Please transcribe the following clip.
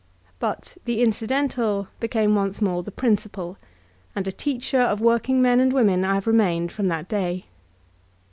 But the incidental became once more the principal, and a teacher of working men and women I have remained from that day.